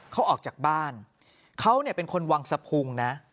เขาออกจากบ้านเขาเนี่ยเป็นคนวังสะพุงนะ